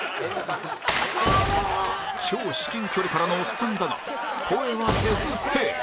超至近距離からのオッサンだが声は出ずセーフ